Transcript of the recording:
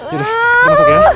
ya udah gue masuk ya